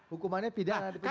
hukumannya pidana di penjara